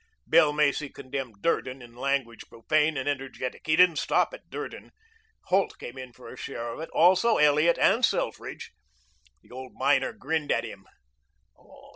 Bill Macy condemned Durden in language profane and energetic. He didn't stop at Durden. Holt came in for a share of it, also Elliot and Selfridge. The old miner grinned at him.